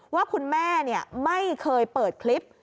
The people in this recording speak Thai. ว่าคุณแม่ไม่เคยเปิดคลิป